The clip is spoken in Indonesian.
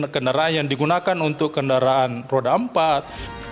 kendaraan yang digunakan untuk kendaraan roda empat